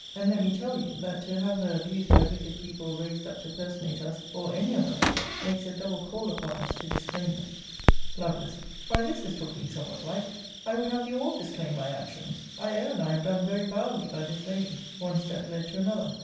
And let me tell you, that to have her abused by wicked people raised up to personate us, or any of us, makes a double call upon us to disclaim them. Lovel. Why this is talking somewhat like. I would have you all disclaim my actions. I own I have done very vilely by this lady. One step led to another.